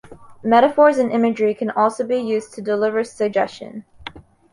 Metaphors and imagery can also be used to deliver suggestion.